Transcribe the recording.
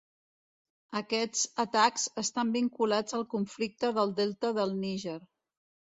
Aquests atacs estan vinculats al Conflicte del delta del Níger.